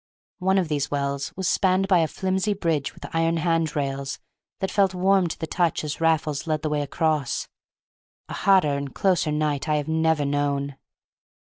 One of these wells was spanned by a flimsy bridge with iron handrails that felt warm to the touch as Raffles led the way across! A hotter and a closer night I have never known.